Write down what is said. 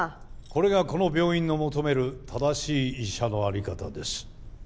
これがこの病院の求める正しい医者のあり方です。